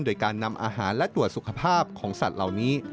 โดยการนำอาหารและตรวจสุขภาพของสัตว์เหล่านี้